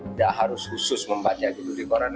tidak harus khusus membaca dulu di koran